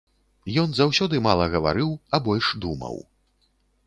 Ён заўсёды мала гаварыў, а больш думаў.